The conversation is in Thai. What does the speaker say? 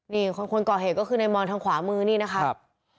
นี่คนก่อเหตุก็คือในมอนทางขวามือนี่นะครับ